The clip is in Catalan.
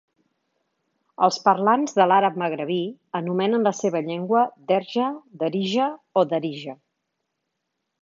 Els parlants de l'àrab magrebí anomenen la seva llengua Derja, Derija o Darija.